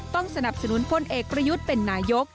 ต้องสนับสนุนพลเอกประยุทธ์เป็นนายก